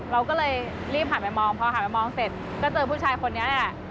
เราก็เลยรีบหันไปมองพอหันไปมองเสร็จก็เจอผู้ชายคนนี้แหละ